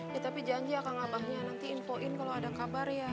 ya tapi janji akan ngabahnya nanti infoin kalau ada kabar ya